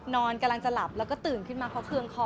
นอนกำลังจะหลับแล้วก็ตื่นขึ้นมาเขาเคืองคอ